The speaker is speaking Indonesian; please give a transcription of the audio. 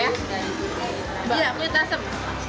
iya kunyit asem